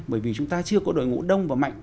bởi vì chúng ta chưa có đội ngũ đông và mạnh